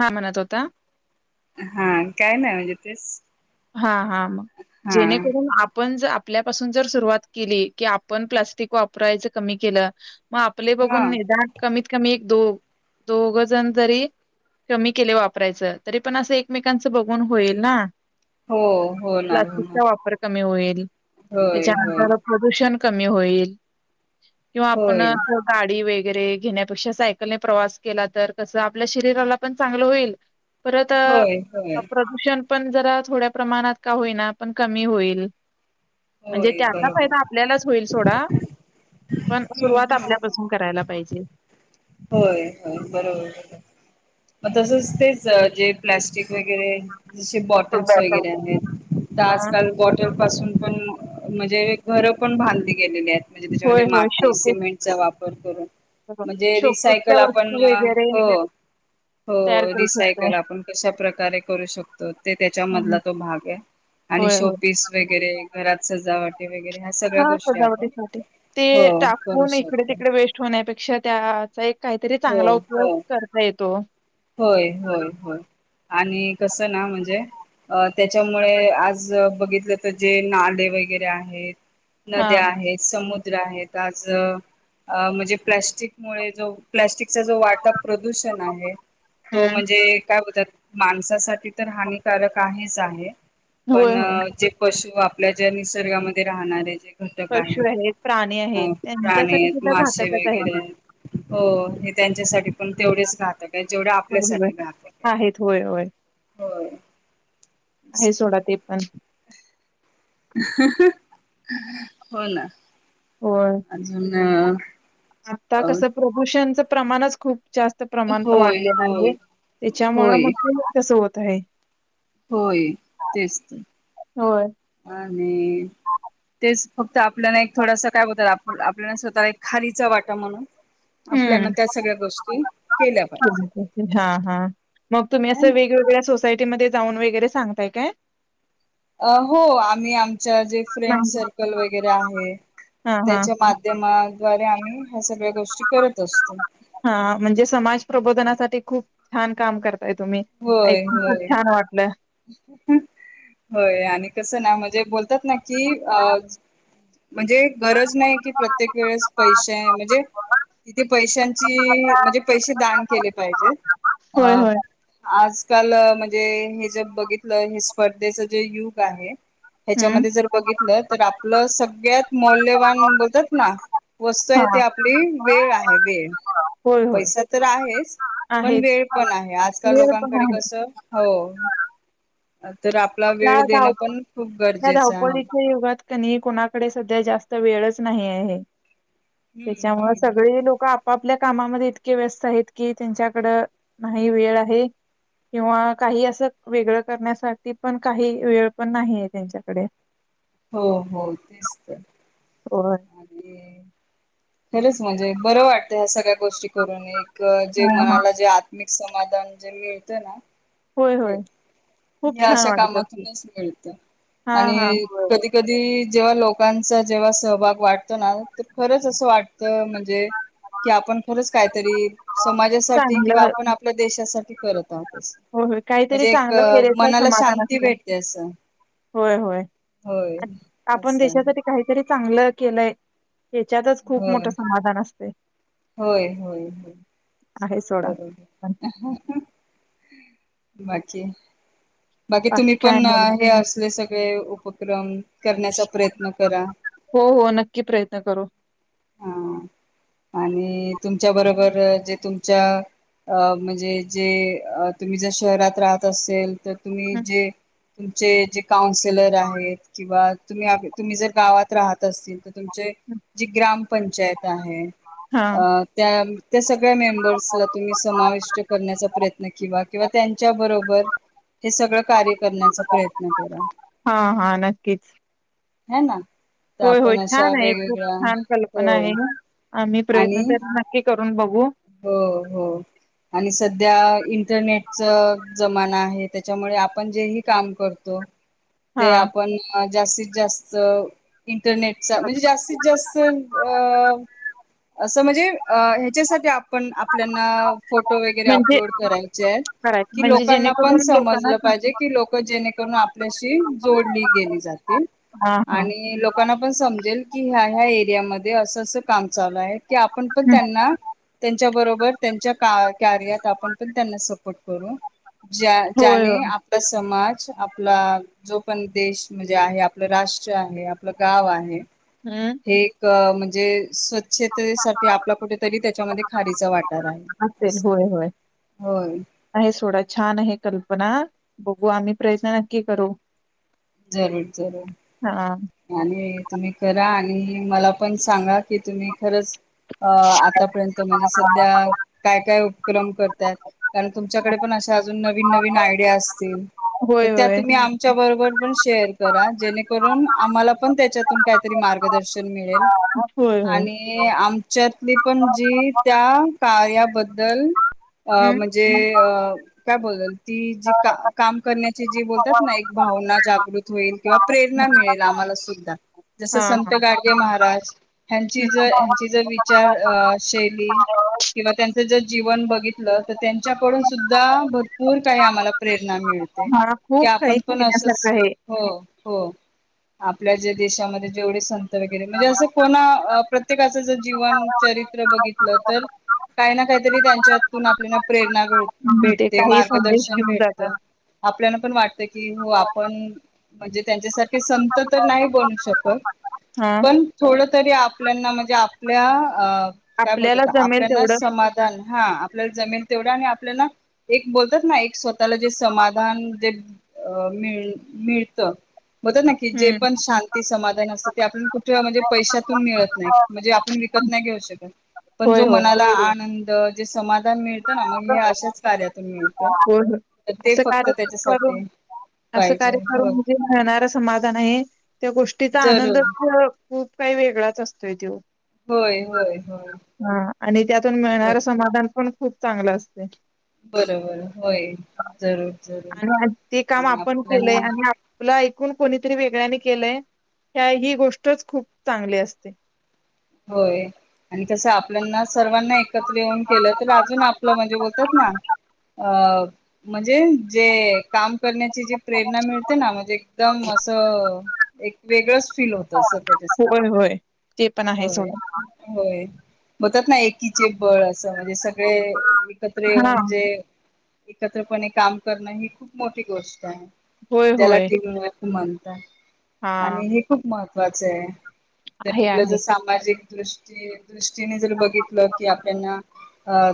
हां, म्हणत होता. हा काय नाही म्हणजे तेस हा हा मग जेणेकरून आपण जर आप आपल्यापासून जर सुरुवात केली की आपण प्लास्टिक वापरायच कमी केलं मग आपले हा बघून निदान कमीत क कमी एक दो दोघ जण जरी कमी केले वापरायचं तरी पण असं एकमेकांचं बघून होईल ना हो होणार. प्लास्टिकचा वापर कमी होईल. होय होय त्याच्यानंतर प्रदूषण कमी होईल. किंवा आपण होय गाडी वेग वगैरे घेण्यापेक्षा सायकलने प्रवास केला तर. कस आपल्या शरीराला पण चांगलं होईल परत होय होय प्रदूषण पण जरा. थोड्या प्रमाणात का होईना पण कमी होईल. म्हणजे होय त्याचा बरोबर फायदा आपल्यालाच होईल सोडा. पण हम्म सुरुवात हम्म आपल्यापासून करायला पाहिजे होय-होय, बरोबर. मग तसचं तेच जे प्लॅस्टिक वगैरे जसे बॉटल्स वगैरे आहेत. तर हा आजकाल बॉटल पासून पण म्हणजे घर पण बांधली गेलेली आहेत म्हणजे होय त्याच्यामध्ये होय माती शोकेस सिमेंटचा वापर कर करून [unintelligible] ते रिसायकल आपण वस्तू वगैरे हो [inaudible] हो तयार करू शकतोय. रिसायकल आपण कशा प्रकारे करू शकतो ते हं, हं. त्याच्यामधला तो भाग आहे [inaudible] आणि होय शो होय. पीस वगैरे- ते घरात सजावट [inaudible] हा सजावटीसाठी ते हो करू टाकून इकडे शकतो. तिकडे वेस्ट होण्यापेक्षा त्याचा एक काहीतरी हो चांगला उपयोग हो करता येतो. होय होय होय [inaudible] आणि कसं ना म्हणजे [inaudible] अ त्याच्यामुळे आज बघितलं तर जे नाले वगैरे आहेत हा नद्या आहेत. समुद्र- समुद्र आहेत आज [inaudible] अ म्हंजे प्लास्टिकमुळे जो प्लास्टिक च जो वाटा प्रदूषण आहे. तो हम्म म्हणजे काय- मग त्यात माणसासाठी तर हानिकारक आहेच आहे. [inaudible] पण होय होय जे पशु आप आपल्या ज्या निसर्गामध्ये राहणारे जे घटक पशु आहेत प्राणी [inaudible] आहेत प्राणी त्यांच्यासाठी आहेत सुद्धा मासे घातकच आहे ते. वगैरे आहेत [inaudible] हो हे त्यांच्यासाठी पण तेवढेच घातक आहेत. होय होय [inaudible] आहेत होय होय, होय. आहे सोडा ते पण ह् हो ना होय अजून आता अ कसं प्रदूषणच प्रमाणच खूप जास्त प्रमाण होय वाढलेलं होय आहे. त्याच्यामुळे होय मग ते तसं होतं तळे. होय तेच तर. होय. आणि तेच तर आपल्याला एक थोडंस काय होत ताप आपल्याला स्वतःला एक खारीचा वाटा म्हणून आपल्याना हम्. त्या सगळ्या गोष्टी केल्या पाहिजेत हा. हा. मग तुम्ही ह असं ना. वेगवेगळ्या सोसायटी टी मध्ये जाऊन वगैरे सांगताय काय. अ. हो. आम्ही आम जे म्हणजे फ्रेंड-सर्कल वगैरे आहे. हां, हां. त्याच्या माध्यद्वारे आम्ही ह्या सगळ्या गोष्टी करत असतो. असतात ते खूप छान काम करत होय. होय. होय. आणि कसं ना म्हणजे असतात ना कि आज म्हणजे गरज नाही कि. प्रत्येक वेळेस पैसे म्हणजे तिथे पैशांची म्हणजे पैसे दान केले पाहिजे होय, अ होय. आजकाल म्हणजे मी जे बघितलं हे स्पर्धेच जे युग आहे हं. ह्याच्यामध्ये जर बघितलं तर आपलं सगळ्यात मौल्यवान बोलतात ना. वस्तू आहे ती हां. आपली वेळ आहे. वेळ होय, होय. पैसा तर आहेच. पण आहेच. वेळ पण आहे आज आज काल वेळ पण लोकांकडे आहे. कस. हो आत. तर आपला त्या वेळ देणं धाव पण खूप गरजेचं आहे. कनी कोणाकडे सध्या जास्त वेळच नाही आहे. हम्म त्याच्यामुळं हम्म हम्म सगळी लोक आपापल्या कामामध्ये इतके व्यस्त आहेत की. त्यांच्याकडं नाही वेळ आहे. किंवा काही असं वेगळं करण्यासाठी पण काही वेळ पण नाही आहे त्यांच्याकडे हो. हो. तेच तर पोरं. आणि खरंच म्हणजे बरं वाटंत ह्या सगळ्या गोष्टी. करून एक जे हां, हां. मनाला जे आत मी समाधान जे मिळते ना. होय, ते होय. खूप हे छान अशा वाटत असेल. कामातूनच मिळत हां, हां. आणि होय. कधी कधी जेव्हा लोकांचा जेव्हा सहभाग वाटतो ना तर खरंच असं वाट म्हणजे कि आपण खरंच काहीतरी समाजासाठी किंवा चांगलं आपण आपल्या देशासा ते करत आहातच. हो हो काहीतरी चांगलं फेरेच समाधान शांती असत. भेटते असं [inaudible] होय होय होय आपण असं. आहे. देशासाठी काहीतरी चांगलं केलंय. ह्याच्यातच खूप होय मोठं समाधान असतय. होय, होय, होय. आहे सोडा बरोबर. पण अ हं हं. बाकी बाकी तुम्ही काय पण नाही बघा हे असले स ते उपक्रम करण्याचा प्रयत्न करा [inaudible] हो हो नक्की प्रयत्न करू. हा आणि तुमच्या बरोबर जे तुमच्या अ म्हणजे जे अ तुम्ही जर शहरात राहत असेल तर तुम्ही जे तुमचे जे काउन्सिलर आहेत किंवा तुम्ही [unintelligible] तुम्ही जर गावात राहत असतील तर तुमचे जे ग्राम पंचायत आहे. हा अ त्या. त्या सगळ्या मेंबर्सला. तुम्ही समाविष्ट करण्याचा प्रयत्न किवा किंवा त्यांच्या बरोबर. हे सगळं कार्य करण्याचा प्रयत्न करा. हा हा हे ना. तर होय-होय आपण अशा छान आहे. खूप वेगवेगळ्या छान कल्पना आहे. हो आम्ही प्रयत्न आणि तर नक्की. करून बघू. हो. हो. आणि सध्या इंटरनेट. च जमाना आहे. त्याच्यामुळे आपण जे हे काम करतो. हा ते आपण जास्तीत-जास्त. इंटरनेटचा. म्हणजे जास्तीत जास्त अ. असं म्हणजे अ ह्याच्यासाठी आप पण आपल्याना फोटो वगैरे म्हणजे अपलोड करायचे आहे. करायचं की म्हणजे लोकांना पण जेणेकरून लोकांना समजलं पाहिजे. की लोक जेणेकरून आपल्याशी जोडली गेली जातील. हां, हां. आणि लोकांना पण समजेल की. ह्या-ह्या एरिया मध्ये. असं-असं काम चालू आहे. कि आपण पण त्यांना. त्यांच्या बरोबर त्यांच्या का कार्यात आपण पण त्यांना स - - [unintelligible] करू ज्या होय, ज्याने होय. आपला समाज सो आपला जो पण देश म्हणजे आहे आपलं राष्ट्र आहे. आपलं गाव आहे. हं. हे एक म्ह - - जे स्वच्छतेसाठी आपला कुठेतरी त्याच्यामध्ये खारीचा वाटा [unintelligible] राहील असेल होय होय होय आहे सोडा छान आहे हे कल्पना. बघू आम्ही प्रयत्न नक्की करू. जरूर हां. जरूर आणि तुम्ही करा आणि आणि मला पण सांगा की तुम्ही खरंच अ आतापर्यंत म्हणजे सध्या काय काय उपक्रम करतात कारण तुमच्याकडे पण अशा अजून नवीन नवीन आयडिया असतील तर होय, त्या होय. तुम्ही आमच्या बरोबर पण शेअर करा जेणेकरून आम्हाला पण त्याच्यातून काहीतरी मार्गदर्शन मिळेल होय, आणि होय. आमच्यातली पण जी त्या कार्याबद्दल अं हं. म्हणजे अ काय बोललात? ती जी का हां. काम करण्याची जी बोलतात हां, ना एक भावना जागृत होईल किंवा प्रेरणा मिळेल हां. आम्हाला सुद्धा जस हं. संत गाडगे महाराज ह्यांची ह्यांची जर विचार शैली किंवा त्यांच ज जीवन बघितलं तर त्यांच्याकडून सुद्धा भरपूर काही आम्हाला प्रेर ना मिळते हां, की खूप काही आपण पण असच शिकण्यासारखं आहे. हो हो आपल्या ज्या देशामध्ये जेवढे संत त वगैरे म्हणजे असं कोणा प्रत्येकाचं जर जीवन चरित्र बघितल तर काही ना काहीतरी त्यांच्यातून आपल्याना प्रेरणा मिळते. म्हणजे ते भेटते काही संदेश मार्गदर्शन घेऊन भेटत आपल्याला. पण वाटत की हो जातात. आपण म्हणजे त्यांच्यासारखे संत तर नाही बनू शकत. हा. पण थोडं तरी आपल्याना म्हणजे आपल्या अ काय आपल्याला बोलतात जमेल आपल्याना तेवढं. समाधान हा आपल्याला जमेल तेवढ्या आणि आपल्याला एक बोलतात ना एक स्वतःला जे समाधान जे मिळते मिळतं. बोलतात ना की जे हम्म. पण शांती समाधान असतात ते आपण कुठे म्हणजे पैशातून मिळत नाही, म्हणजे आपण विकत नाही घेऊ शकत, पण जो होय, होय. मनाला आनंद जे समा धान मिळत ना. मग हे आशाच कार्यातून मिळत. हो हो असं कार कर असं पाहिजे खरं हो म्हणजे मिळणार समाधान आहे त्या गोष्टीचा जरूर आनंदचं खूप काही वेगळाच असतोय तो. होय होय होय हा आणि त्यातून जरूर मिळणारं जरूर समाधान पण खूप चांगल असतयं. बरोबर. होय. जरूर जरूर आणि आज आणि आपल्याना कून कोणीतरी वेगळ्यानी केलंय ह्या ही गोष्टच खूप चांगली असते. होय आणि कसं आपल्याना सर्वांना एक त्र येऊन केलं तर अजून आपलं म्हणजे बोलतात ना अ म्हणजे जे काम करण्याची जी प्रेरणा मिळते ना, म्हणजे एकदम असं एक वेगळंच फील होत अस त्याच्यासाठी. होय होय ते पण आहे होय. सोडा. होय. बोतात ना एक किचे बळ अस म्हणजे स गळे एकत्र हा येऊन जे एकत्रपणे काम करणं ही खूप मोठी गोष्ट आहे. होय त्याला होय किंमत म्हणतात. हा आणि हे खूप महत्व त्वाचाय. आहे आपलं ज आहे. सामाजिक दृष्टी दृष्टीने जर बघितलं की आपल्याना अ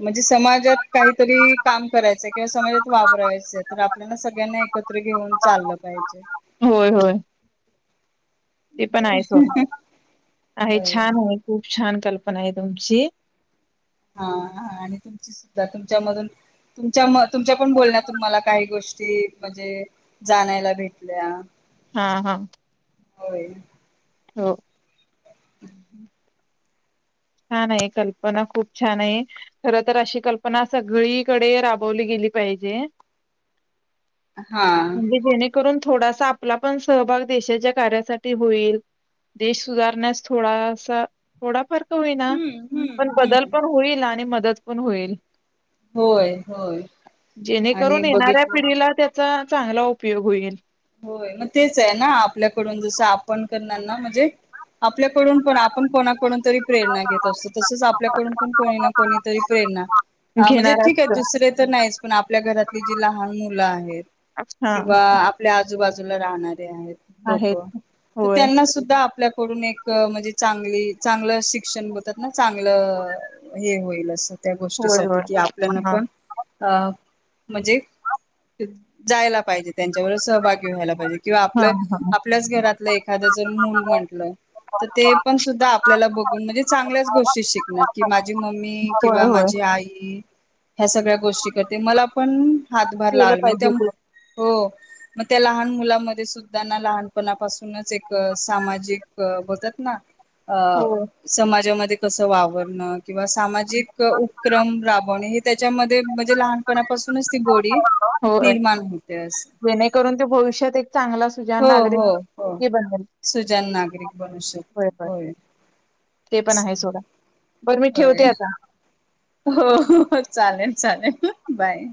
म्हणजे समाज [unintelligible] काहीतरी काम करायचं किंवा समाजात वाबरायचं तर, आपल्याला सगळ्यांना एकत्र घेऊन चाललं पाहिजे. तेपण होय आहे सोडा आहे होय छान हाय खुप छान कल्पना हाय तुमची हा हा आणि तुमची सुद्धा तुमच्यामधून तुमच्या म तुमच्या पण बोलण्यातून मला काही गोष्टी म्हणजे जानायला भेटल्या. हा हा. होय. हो. [inaudible] छान आहे. कल्पना खूप छान आहे. खर तर अशी कल्पना सगळीकडे राबवली गेली पाहिजे. हा. करून. थोडासा आपला पण सहभाग देशाच्या कार्यासाठी होईल. देश सुधारण्यास थोडासा-थोडाफार - होईना हम्म पण हम्म बदल हम्म पण होईल. आणि मदत - पण होईल. होय-होय आणि एक बघितलं. चा चांगला उपयोग होईल. होय मग तेच आहे ना. आपल्याकडून जस आपण करणार ना. म्हणजे आपल्याकडून पण आपण कोणा - कुणीतरी प्रेरणा घेत असतो. तसच आपल्याकडून पण कोणी कोणी तरी प्रेरणा. हा म्हणजे घेणार ठीक आहे दुसर तर नाहीच. पण आपल्या घरातली जी लहान मुलं आहेत असत हा किंवा - आजूबाजूला राहणारी. ते आहेत लोक आहेत त होय त्यांना सुद्धा आपल्या कडून एक म्हणजे चांगली-चांगलं शिक्षण बोतातना चांगलं हे होईल असं. त्या होय गोष्टीसाठी होय कि आपल्यान हा पण अ. म्हणजे जायला पाहिजे त्यांच्या. सहभागी व्हायला पाहिजे. किंवा हां, आपलं हां. आपल्याच घरातलं एखादं जर मूल म्हंटलं. तर ते पण सुद्धा आपल्याला बघून म्हणजे चांगल्याच गोष्टी शिकणार कि. माझी, मम्मी होय, किंवा होय. माझी आई. ह्या सगळ्या गोष्टी करते मला पण हातभार केलं लावायला मग त्या पाहिजे ते. हो. मग त्या लहान मुलामध्ये सुद्धा ना लहानपणापासूनच एक सामाजिक बोलतात ना. अ होय. समाजामध्ये. कस वावरण. किंवा सामाजिक उपक्रम राबवणे हे. त्याच्यामध्ये म्हणजे लहानपणापासूनच ती गोडी. होय. निर्माण होते अस. जेणेकरून ते भविष्यात एक चांगला सुजान हो नागरिक हो. हो हे बनल. सुजाण नागरिक बनू शकतो होय-होय होय ते पण आहे असं सोडा. बर मी होय. ठेवते आता. हो चालेल-चालेल, बाय.